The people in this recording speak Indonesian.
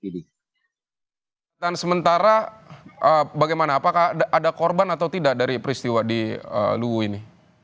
dan sementara bagaimana apakah ada korban atau tidak dari peristiwa di luwuh ini